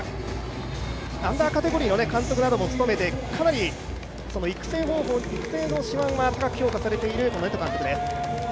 アンダーカテゴリーの監督なども務めてかなり育成の手腕は高く評価されているネト監督です。